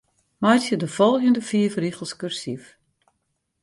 Meitsje de folgjende fiif rigels kursyf.